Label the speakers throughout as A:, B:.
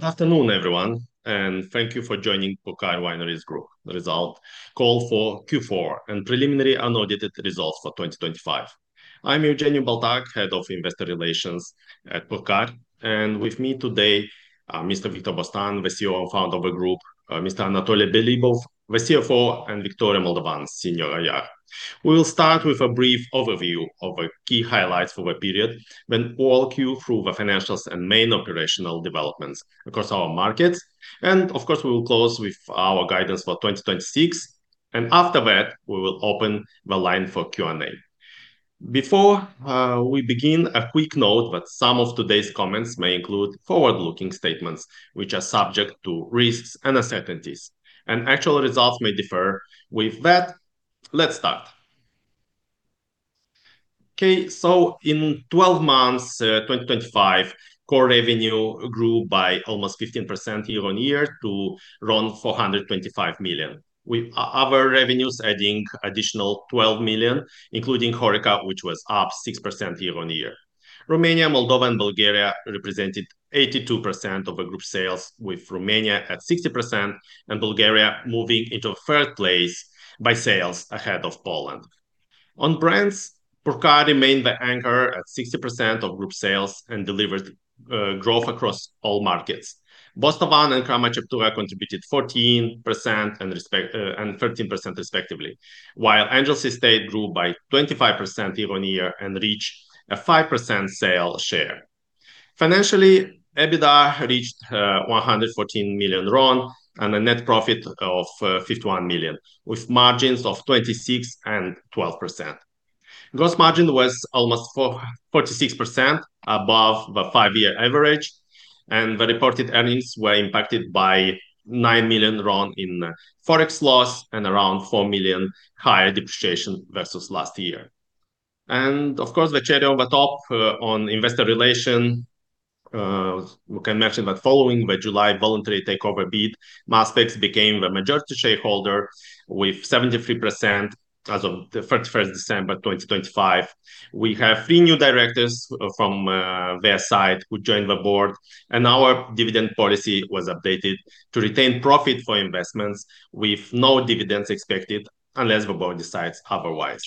A: Good afternoon, everyone, thank you for joining Purcari Wineries Group. call for Q4 and preliminary unaudited results for 2025. I'm Eugen Baltag, head of investor relations at Purcari. With me today, Mr. Victor Bostan, the CEO and founder of the group, Mr. Anatolie Belibov, the CFO, and Victoria Moldovan, senior IR. We will start with a brief overview of the key highlights for the period, then walk you through the financials and main operational developments across our markets. Of course, we will close with our guidance for 2026, and after that, we will open the line for Q&A. Before we begin, a quick note that some of today's comments may include forward-looking statements, which are subject to risks and uncertainties, and actual results may differ. With that, let's start. In 12 months, 2025, core revenue grew by almost 15% year-on-year to RON 425 million, with other revenues adding additional RON 12 million, including HoReCa, which was up 6% year-on-year. Romania, Moldova and Bulgaria represented 82% of the group sales, with Romania at 60% and Bulgaria moving into 3rd place by sales ahead of Poland. On brands, Purcari remained the anchor at 60% of group sales and delivered growth across all markets. Bostavan and Crama Ceptura contributed 14% and 13% respectively, while Angel's Estate grew by 25% year-on-year and reached a 5% sale share. Financially, EBITDA reached RON 114 million and a net profit of RON 51 million, with margins of 26% and 12%. Gross margin was almost for 46% above the five-year average. The reported earnings were impacted by RON 9 million in Forex loss and around RON 4 million higher depreciation versus last year. Of course, the cherry on the top on investor relation, we can mention that following the July voluntary takeover bid, Maspex became the majority shareholder with 73% as of the December 1st, 2025. We have three new directors from their side who joined the board. Our dividend policy was updated to retain profit for investments, with no dividends expected unless the board decides otherwise.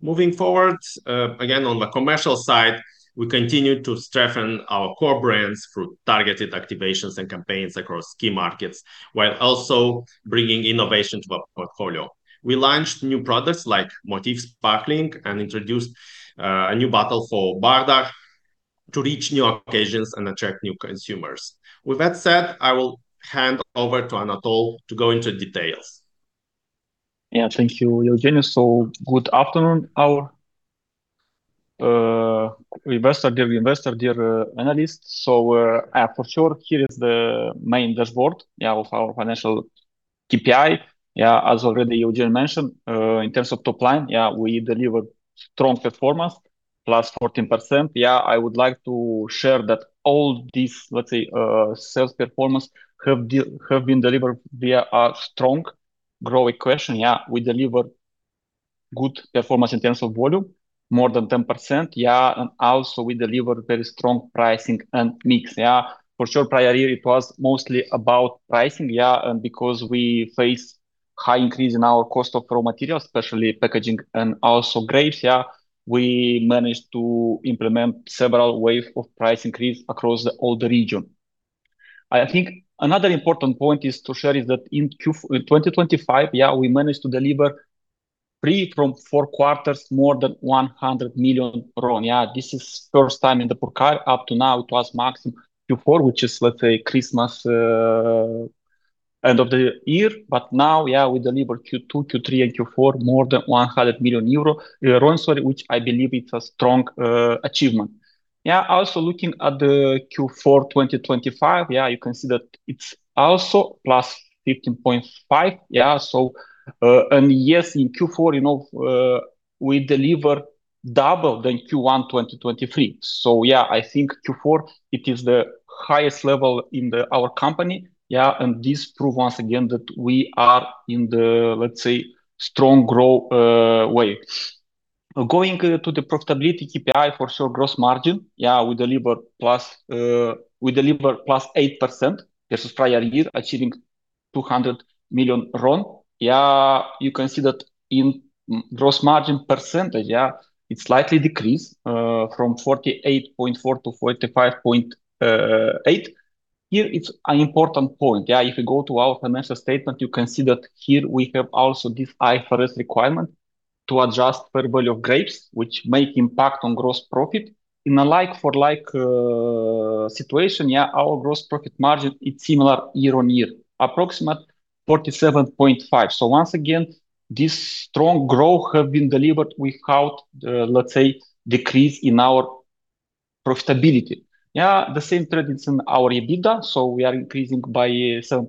A: Moving forward, again, on the commercial side, we continue to strengthen our core brands through targeted activations and campaigns across key markets, while also bringing innovation to the portfolio. We launched new products like Motiv Sparkling and introduced a new bottle for Bardar to reach new occasions and attract new consumers. With that said, I will hand over to Anatolie to go into details.
B: Thank you, Eugen. Good afternoon, our investor, dear investor, dear analysts. For sure, here is the main dashboard of our financial KPI. As already Eugen mentioned, in terms of top line, we delivered strong performance, plus 14%. I would like to share that all these, let's say, sales performance have been delivered via a strong growth equation. We deliver good performance in terms of volume, more than 10%. Also we deliver very strong pricing and mix. For sure, prior year it was mostly about pricing, and because we face high increase in our cost of raw materials, especially packaging and also grapes, we managed to implement several wave of price increase across all the region. I think another important point is to share is that in 2025, we managed to deliver pre from four quarters more than RON 100 million. This is first time in the Purcari. Up to now, it was maximum Q4, which is, let's say, Christmas, end of the year. Now, we deliver Q2, Q3 and Q4 more than RON 100 million, which I believe it's a strong achievement. Also looking at the Q4 2025, you can see that it's also +15.5%. Yes, in Q4, you know, we deliver double than Q1 2023. I think Q4, it is the highest level in the our company. This prove once again that we are in the, let's say, strong growth wave. Going to the profitability KPI, for sure, gross margin, we deliver plus 8% versus prior year, achieving RON 200 million. You can see that in gross margin percentage, it slightly decreased from 48.4% to 45.8%. Here it's an important point. If you go to our financial statement, you can see that here we have also this IFRS requirement to adjust fair value of grapes, which make impact on gross profit. In a like for like situation, our gross profit margin is similar year-over-year, approximate 47.5%. Once again, this strong growth have been delivered without decrease in our profitability. The same trend is in our EBITDA. We are increasing by 7% to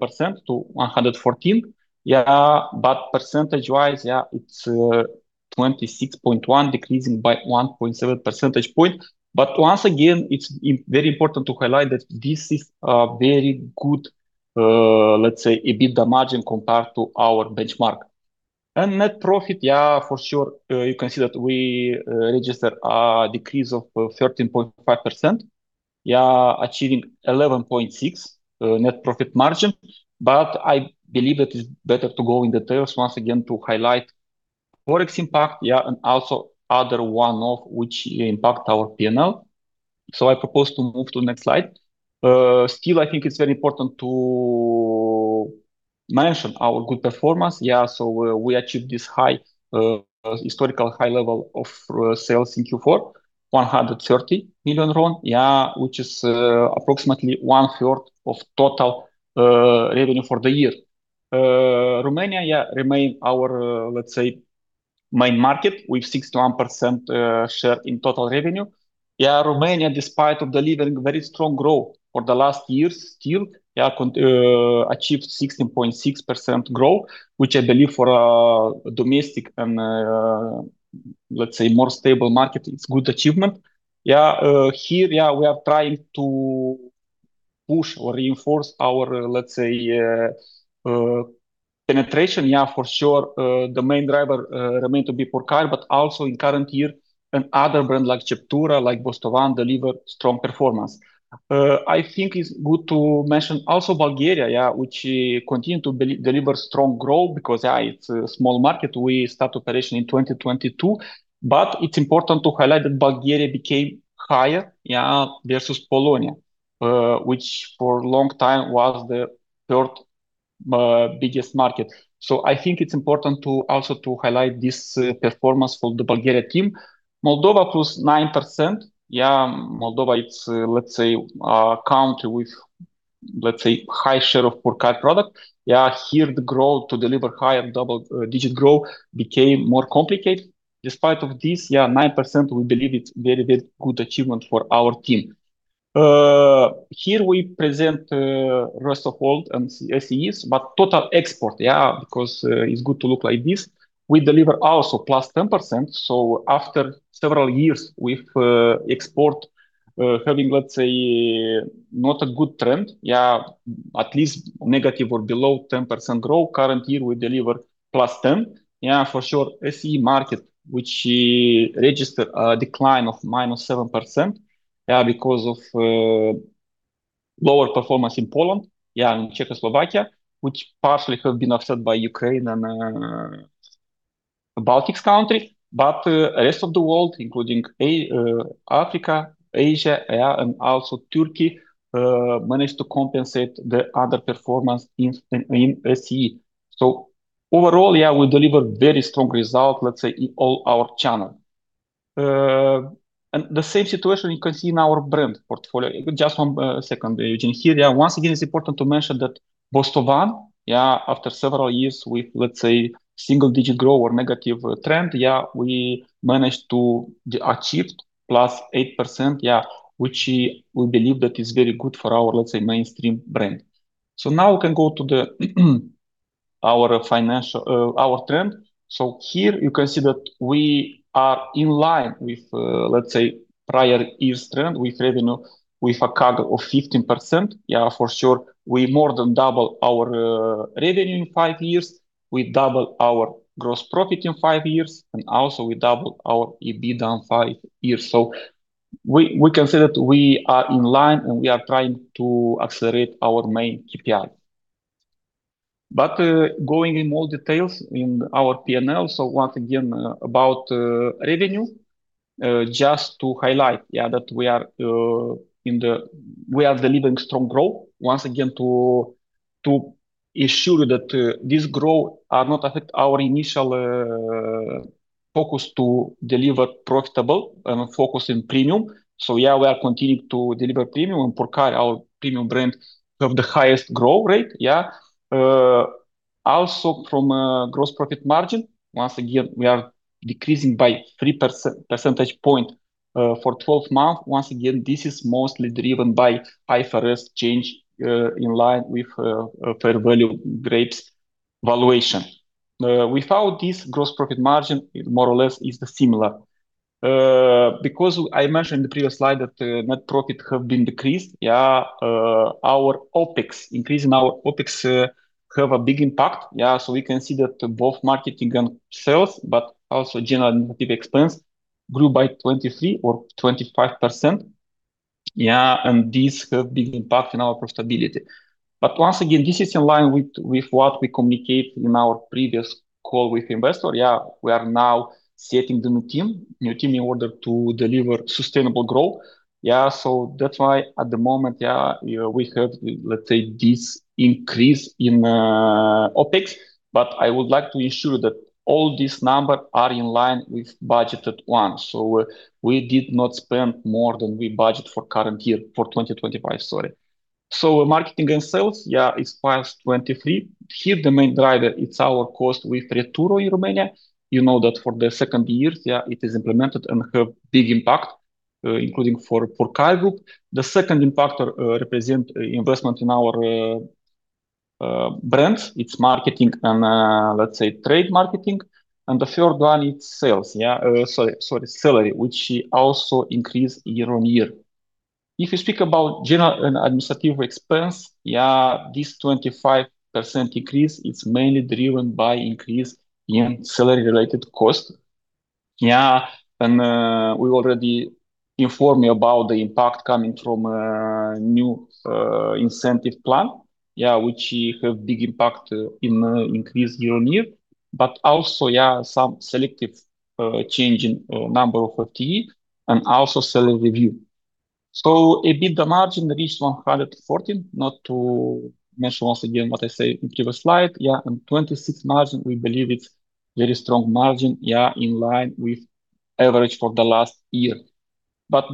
B: RON 114 million. Percentage wise, yeah, it's 26.1, decreasing by 1.7 percentage point. Once again, it's very important to highlight that this is a very good, let's say, EBITDA margin compared to our benchmark. Net profit, yeah, for sure, you can see that we registered a decrease of 13.5%. Yeah, achieving 11.6% net profit margin. I believe that is better to go in details once again to highlight Forex impact, yeah, and also other one of which impact our P&L. I propose to move to next slide. Still, I think it's very important to mention our good performance. Yeah, we achieved this high, historical high level of sales in Q4, RON 130 million. Yeah, which is approximately one third of total revenue for the year. Romania, yeah, remain our, let's say, main market with 61% share in total revenue. Romania, despite of delivering very strong growth for the last years, still, yeah, achieved 16.6% growth, which I believe for a domestic and, let's say more stable market, it's good achievement. Here, yeah, we are trying to push or reinforce our, let's say, penetration. For sure, the main driver remain to be Purcari, but also in current year and other brand like Ceptura, like Bostavan, deliver strong performance. I think it's good to mention also Bulgaria, yeah, which continue to deliver strong growth because, yeah, it's a small market. We start operation in 2022, but it's important to highlight that Bulgaria became higher, yeah, versus Poland, which for long time was the third biggest market. I think it's important to also to highlight this performance for the Bulgaria team. Moldova +9%. Moldova, it's a country with high share of Purcari product. Here the growth to deliver higher double-digit growth became more complicated. Despite of this, 9%, we believe it's very, very good achievement for our team. Here we present rest of world and SEE, but total export. Because it's good to look like this. We deliver also +10%. After several years with export having not a good trend. At least negative or below 10% growth. Current year, we deliver +10%. For sure. SEE market, which register a decline of -7%, yeah, because of lower performance in Poland, yeah, and Czech Republic, which partially have been offset by Ukraine and Baltics country. The rest of the world, including Africa, Asia, yeah, and also Turkey, managed to compensate the other performance in SEE. Overall, yeah, we deliver very strong result, let's say, in all our channel. The same situation you can see in our brand portfolio. Just one second, Eugen. Here, yeah, once again, it's important to mention that Bostavan, yeah, after several years with, let's say, single-digit growth or negative trend, yeah, we managed to achieved +8%, yeah, which we believe that is very good for our, let's say, mainstream brand. Now we can go to the our financial our trend. Here you can see that we are in line with, let's say, prior year's trend with revenue, with a CAGR of 15%. Yeah, for sure. We more than double our revenue in five years. We double our gross profit in five years, and also we double our EBITDA in five years. We can say that we are in line, and we are trying to accelerate our main KPI. Going in more details in our P&L. Once again, about revenue, just to highlight, yeah, that we are delivering strong growth. Once again, to ensure that this growth are not affect our initial focus to deliver profitable and focus in premium. Yeah, we are continuing to deliver premium and Purcari, our premium brand, have the highest growth rate, yeah. Also from gross profit margin, once again, we are decreasing by 3 percentage point for 12 month. Once again, this is mostly driven by IFRS change in line with fair value grapes valuation. Without this gross profit margin, it more or less is similar. Because I mentioned in the previous slide that net profit have been decreased, yeah. Our OpEx, increase in our OpEx, have a big impact. We can see that both marketing and sales, but also general and administrative expense grew by 23% or 25%. This have big impact in our profitability. Once again, this is in line with what we communicate in our previous call with investor. We are now setting the new team in order to deliver sustainable growth. Yeah, so that's why at the moment, yeah, we have, let's say, this increase in OpEx, but I would like to ensure that all these numbers are in line with budgeted ones. We did not spend more than we budget for current year, for 2025, sorry. Marketing and sales, yeah, it's +23%. Here, the main driver, it's our cost with Returo in Romania. You know that for the second year, yeah, it is implemented and have big impact, including for Purcari. The second impactor represent investment in our brands. It's marketing and, let's say, trade marketing. The third one, it's sales, yeah. Sorry, salary, which also increase year-on-year. If you speak about general and administrative expense, yeah, this 25% increase, it's mainly driven by increase in salary-related cost. We already informed you about the impact coming from new incentive plan, which have big impact in increase year-on-year, but also some selective change in number of TE and also salary review. EBITDA margin reached 114%, not to mention once again what I say in previous slide, and 26% margin, we believe it's very strong margin, in line with average for the last year.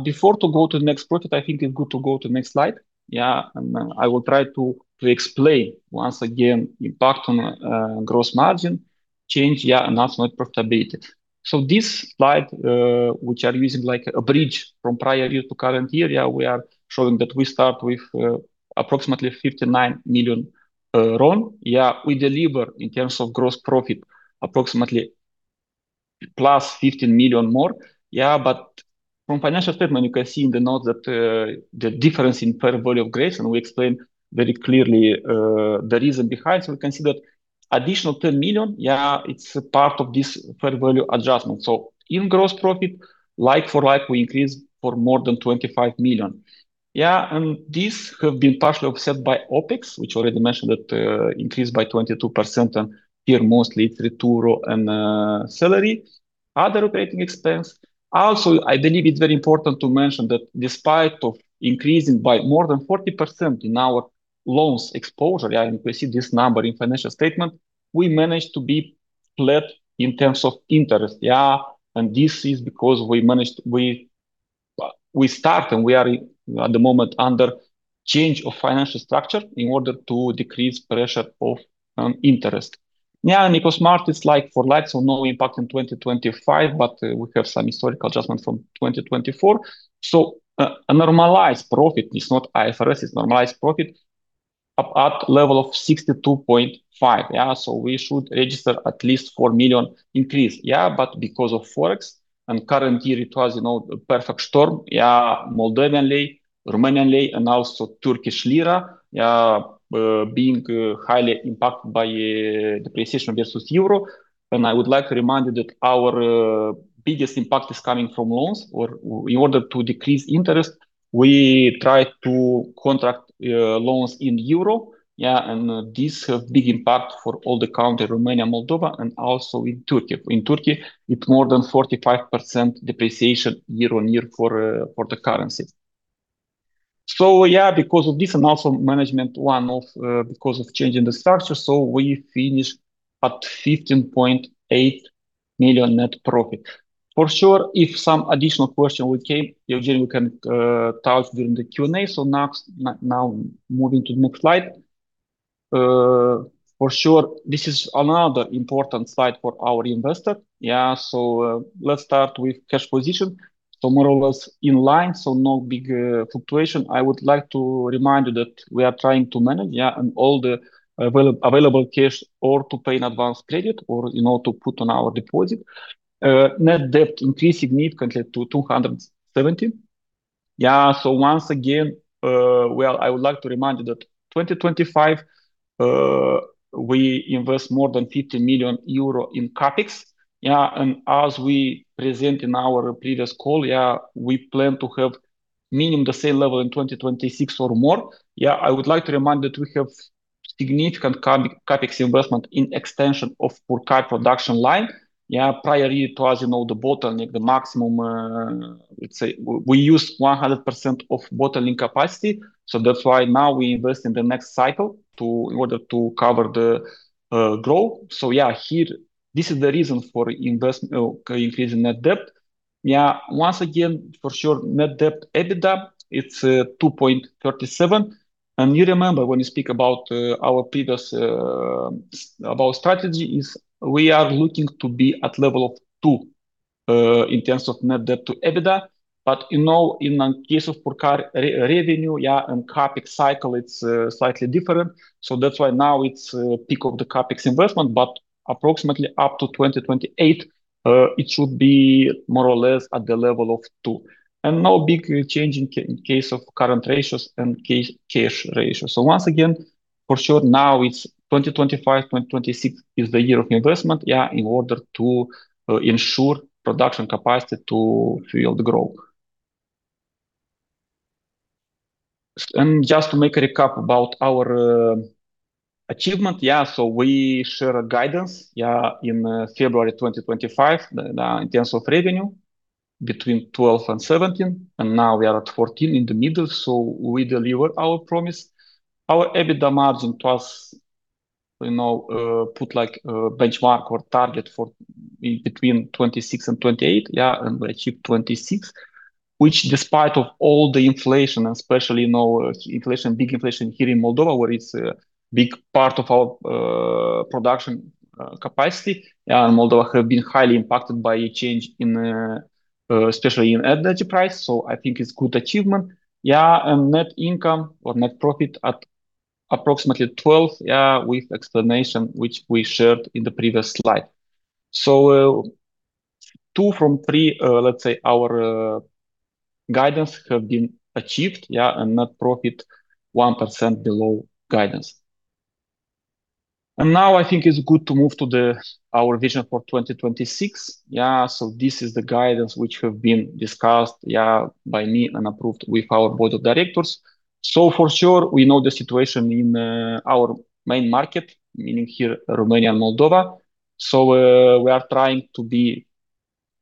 B: Before to go to the next project, I think it's good to go to next slide, and I will try to explain once again impact on gross margin change and ultimate profitability. This slide, which are using like a bridge from prior year to current year, we are showing that we start with approximately RON 59 million. We deliver in terms of gross profit approximately plus 15 million more. From financial statement, you can see in the note that, the difference in fair value of grades, and we explain very clearly, the reason behind. We can see that additional 10 million, yeah, it's a part of this fair value adjustment. In gross profit, like for like, we increase for more than 25 million. This have been partially offset by OpEx, which already mentioned that, increased by 22% and here mostly it's return and, salary, other operating expense. Also, I believe it's very important to mention that despite of increasing by more than 40% in our loans exposure, yeah, and we see this number in financial statement, we managed to be flat in terms of interest, yeah. This is because we start and we are at the moment under change of financial structure in order to decrease pressure of interest. It was marked as like for like, so no impact in 2025, but we have some historical adjustment from 2024. A normalized profit, it's not IFRS, it's normalized profit up at level of RON 62.5 million. We should register at least RON 4 million increase. Because of Forex and current year it was, you know, perfect storm, Moldovan lei, Romanian lei, and also Turkish lira, being highly impacted by depreciation versus EUR. I would like to remind you that our biggest impact is coming from loans or in order to decrease interest, we try to contract loans in EUR. This have big impact for all the country, Romania, Moldova, and also in Turkey. In Turkey, it more than 45% depreciation year-on-year for the currency. Because of this and also management want of because of change in the structure, we finish at RON 15.8 million net profit. For sure, if some additional question will came, Eugen, we can talk during the Q&A. Now moving to the next slide. For sure, this is another important slide for our investor. Let's start with cash position. More or less in line, so no big fluctuation. I would like to remind you that we are trying to manage, yeah, and all the available cash or to pay in advance credit or, you know, to put on our deposit. Net debt increased significantly to 270. Once again, well, I would like to remind you that 2025, we invest more than 50 million euro in CapEx. As we present in our previous call, we plan to have minimum the same level in 2026 or more. I would like to remind that we have significant CapEx investment in extension of Purcari production line. Prior year it was, you know, the bottleneck, the maximum, let's say we use 100% of bottling capacity. That's why now we invest in the next cycle in order to cover the growth. Here, this is the reason for invest increasing net debt. Once again, for sure, Net Debt EBITDA, it's 2.37. You remember when you speak about our previous about strategy is we are looking to be at level of 2 in terms of Net Debt to EBITDA. You know, in case of Purcari revenue, yeah, and CapEx cycle, it's slightly different. That's why now it's peak of the CapEx investment, but approximately up to 2028, it should be more or less at the level of 2. No big change in case of current ratios and cash ratios. Once again, for sure, now it's 2025, 2026 is the year of investment, yeah, in order to ensure production capacity to field growth. Just to make a recap about our achievement. We share a guidance in February 2025 in terms of revenue between 12% and 17%, and now we are at 14% in the middle, so we deliver our promise. Our EBITDA margin to us put like a benchmark or target for between 26% and 28%, and we achieve 26%, which despite of all the inflation, especially, inflation, big inflation here in Moldova, where it's a big part of our production capacity, Moldova have been highly impacted by a change in especially in energy price. I think it's good achievement. Net income or net profit at approximately 12% with explanation which we shared in the previous slide. 2 from 3, let's say, our guidance have been achieved, and net profit 1% below guidance. Now I think it's good to move to the-- our vision for 2026. This is the guidance which have been discussed by me and approved with our board of directors. For sure we know the situation in our main market, meaning here Romania and Moldova. We are trying to be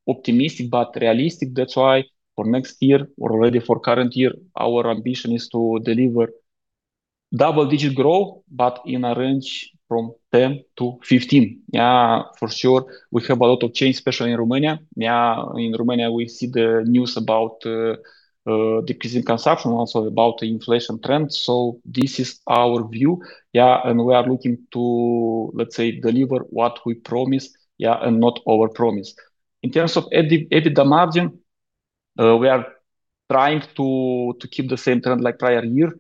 B: optimistic but realistic. That's why for next year or already for current year, our ambition is to deliver double-digit growth, but in a range from 10-15%. For sure we have a lot of change, especially in Romania. In Romania we see the news about decreasing consumption, also about inflation trends. This is our view. And we are looking to, let's say, deliver what we promise and not overpromise. In terms of EBITDA margin, we are trying to keep the same trend like prior year.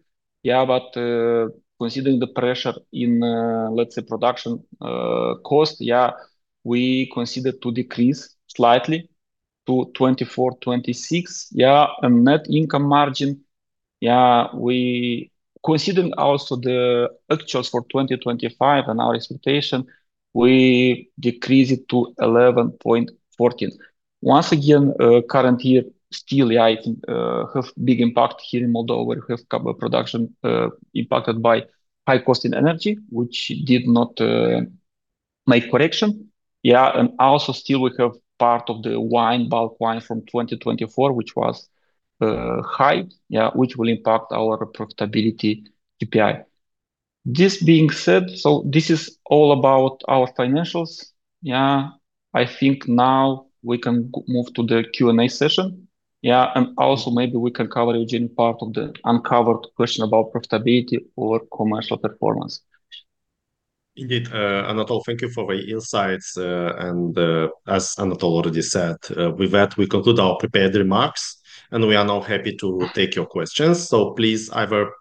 B: Considering the pressure in let's say, production cost, we consider to decrease slightly to 24%-26%. Net income margin, considering also the actuals for 2025 and our expectation, we decrease it to 11.14%. Once again, current year still, I think, have big impact here in Moldova, where we have couple of production impacted by high cost in energy, which did not make correction. Also still we have part of the wine, bulk wine from 2024, which was high, which will impact our profitability KPI. This being said, this is all about our financials. I think now we can move to the Q&A session. Yeah, also maybe we can cover, Eugen, part of the uncovered question about profitability or commercial performance.
A: Indeed. Anatolie, thank you for the insights. As Anatolie already said, with that, we conclude our prepared remarks, and we are now happy to take your questions. Please either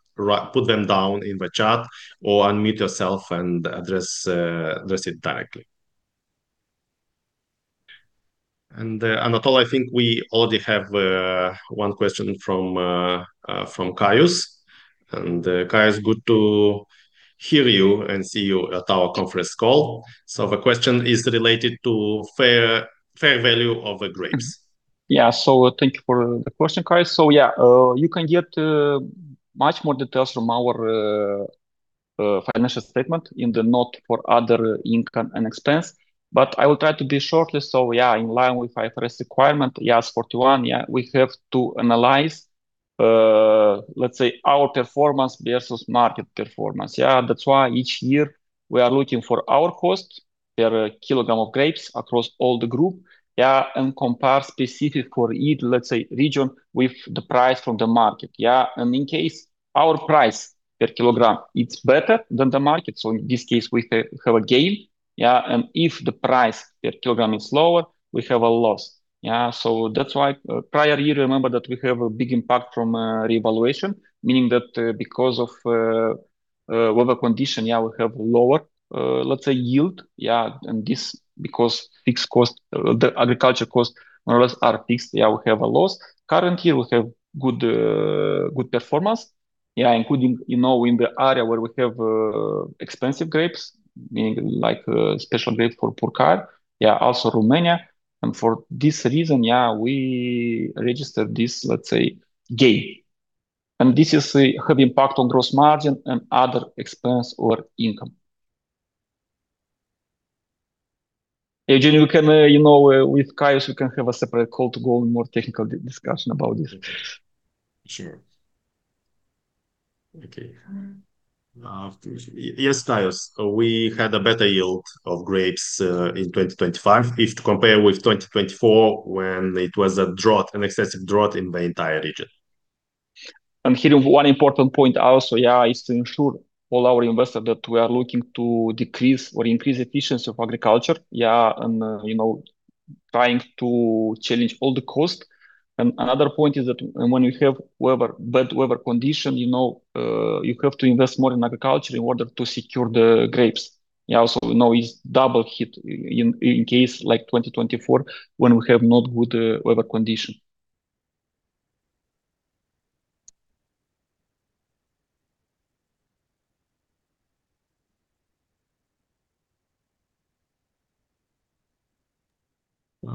A: put them down in the chat or unmute yourself and address it directly. Anatolie, I think we already have one question from Caius, and Caius, good to hear you and see you at our conference call. The question is related to fair value of the grapes.
B: Thank you for the question, Caius. You can get much more details from our financial statement in the note for other income and expense, but I will try to be shortly. In line with IFRS requirement, IAS 41, we have to analyze, let's say, our performance versus market performance. That's why each year we are looking for our cost per kilogram of grapes across all the group, and compare specific for each, let's say, region with the price from the market. In case our price per kilogram, it's better than the market, in this case, we have a gain. If the price per kilogram is lower, we have a loss. That's why prior year, remember that we have a big impact from revaluation, meaning that because of weather condition, yeah, we have lower, let's say, yield. Yeah. This because the agriculture cost more or less are fixed. Yeah, we have a loss. Current year we have good performance, yeah, including, you know, in the area where we have expensive grapes, meaning like special grapes for Purcari. Yeah, also Romania. For this reason, yeah, we registered this, let's say, gain, and this have impact on gross margin and other expense or income. Eugen, we can, you know, with Caius, we can have a separate call to go in more technical discussion about this.
A: Sure. Okay. Yes, Caius. We had a better yield of grapes in 2025 if to compare with 2024 when it was a drought, an excessive drought in the entire region.
B: Here one important point also, yeah, is to ensure all our investor that we are looking to decrease or increase efficiency of agriculture, yeah, and, you know, trying to challenge all the cost. Another point is that when you have bad weather condition, you know, you have to invest more in agriculture in order to secure the grapes. Yeah, also, you know, is double hit in case like 2024 when we have not good weather condition.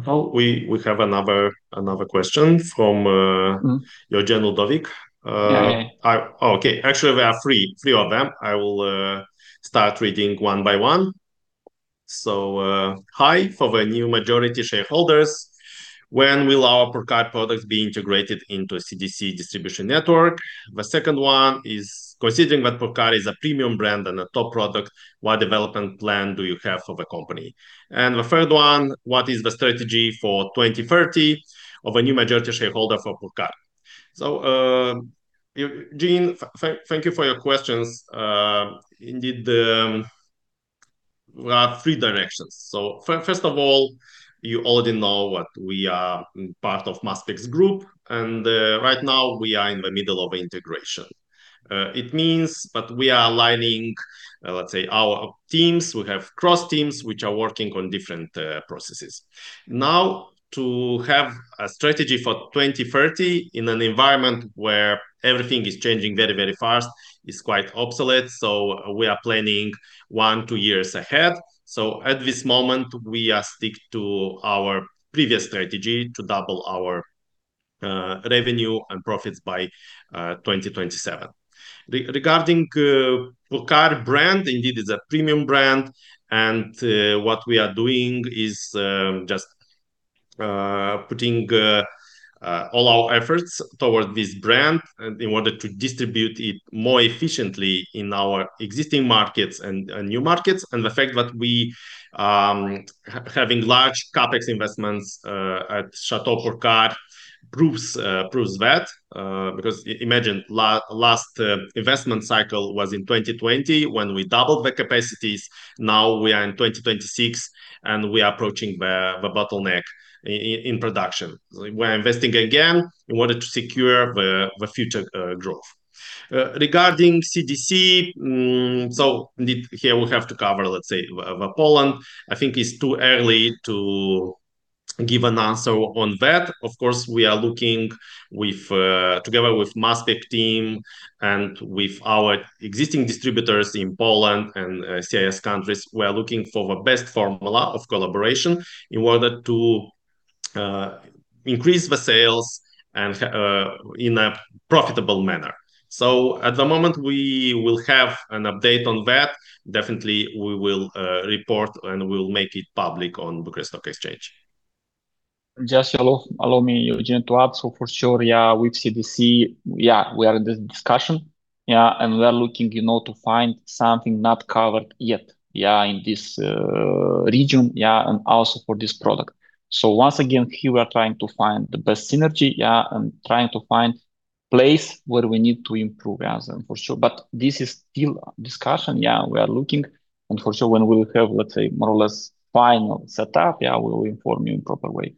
B: Anatolie?
A: We have another question from.
B: Mm-hmm...
A: Eugene Ludovic.
B: Yeah.
A: Oh, okay. Actually, we have three of them. I will start reading one by one. "Hi from the new majority shareholders. When will our Purcari products be integrated into CDC distribution network?" The second one is, "Considering that Purcari is a premium brand and a top product, what development plan do you have for the company?" The third one: "What is the strategy for 2030 of a new majority shareholder for Purcari?" Eugen, thank you for your questions. Indeed, there are three directions. First of all, you already know that we are part of Maspex Group, and right now we are in the middle of integration. It means that we are aligning, let's say, our teams. We have cross teams which are working on different processes. To have a strategy for 2030 in an environment where everything is changing very, very fast is quite obsolete, so we are planning one, two years ahead. At this moment, we stick to our previous strategy to double our revenue and profits by 2027. Regarding Purcari brand, indeed it's a premium brand, and what we are doing is just putting all our efforts towards this brand in order to distribute it more efficiently in our existing markets and new markets. The fact that we having large CapEx investments at Château Purcari proves that because imagine last investment cycle was in 2020 when we doubled the capacities. We are in 2026, and we are approaching the bottleneck in production. We're investing again in order to secure the future growth. Regarding CDC, here we have to cover, let's say, the Poland. I think it's too early to give an answer on that. Of course, we are looking with together with Maspex team and with our existing distributors in Poland and CIS countries. We are looking for the best formula of collaboration in order to increase the sales and in a profitable manner. At the moment, we will have an update on that. Definitely, we will report, and we'll make it public on Bucharest Stock Exchange.
B: Just allow me, Eugen, to add. For sure, yeah, with CDC, yeah, we are in the discussion. We are looking, you know, to find something not covered yet, yeah, in this region, yeah, and also for this product. Once again here, we are trying to find the best synergy, yeah, and trying to find place where we need to improve, yeah, for sure. This is still discussion. We are looking, and for sure, when we'll have, let's say, more or less final setup, yeah, we will inform you in proper way.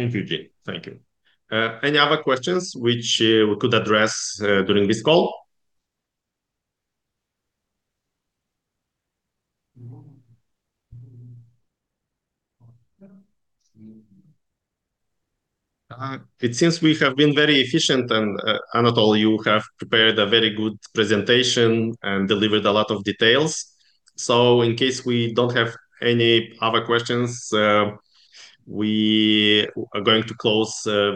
A: Thank you, Eugene\. Thank you. Any other questions which we could address during this call? It seems we have been very efficient, and Anatolie, you have prepared a very good presentation and delivered a lot of details. In case we don't have any other questions, we are going to close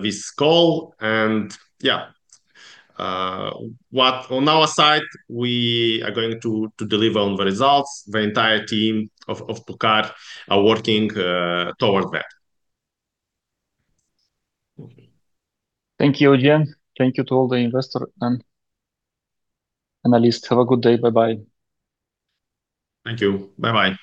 A: this call, and yeah. What on our side, we are going to deliver on the results. The entire team of Purcari are working towards that.
B: Thank you, Eugen. Thank you to all the investor and analysts. Have a good day. Bye-bye.
A: Thank you. Bye-bye.